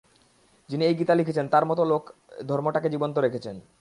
যিনি এই গীতা লিখেছেন, তাঁর মত লোকই ধর্মটাকে জীবন্ত রেখেছেন।